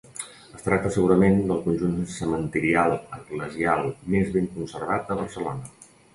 Es tracta segurament del conjunt cementirial eclesial més ben conservat de Barcelona.